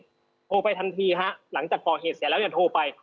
โทรไปทันทีครับหลังจากก่อเหตุเสียแล้วเนี่ยโทรไป